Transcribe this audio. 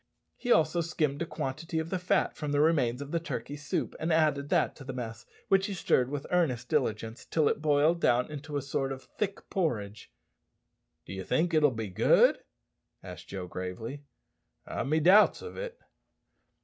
He also skimmed a quantity of the fat from the remains of the turkey soup and added that to the mess, which he stirred with earnest diligence till it boiled down into a sort of thick porridge. "D'ye think it'll be good?" asked Joe gravely; "I've me doubts of it."